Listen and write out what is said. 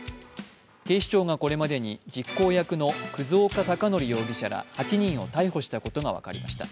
警視庁がこれまでに実行役の葛岡隆憲容疑者ら８人を逮捕したことが分かりました。